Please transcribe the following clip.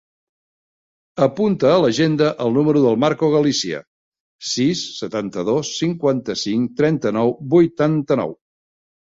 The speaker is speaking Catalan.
Apunta a l'agenda el número del Marco Galicia: sis, setanta-dos, cinquanta-cinc, trenta-nou, vuitanta-nou.